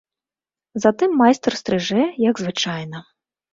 Затым майстар стрыжэ, як звычайна.